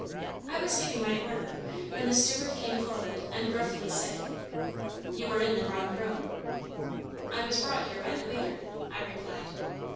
I was giving my order, when the steward came forward and gruffly said: "You are in the wrong room." "I was brought here by the waiter," I replied.